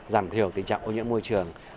giảm thiểu tình trạng ô nhiễm môi trường